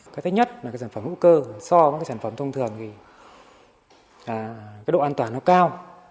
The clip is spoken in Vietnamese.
cái thứ nhất là sản phẩm hữu cơ so với sản phẩm thông thường thì độ an toàn nó cao